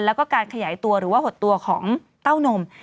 แล้วก็การขยายตัวหรือว่าหดตัวของเต้านม